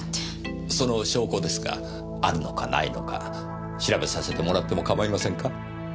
その証拠ですがあるのかないのか調べさせてもらってもかまいませんか？